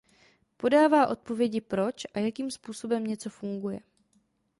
Podává odpovědi proč a jakým způsobem něco funguje.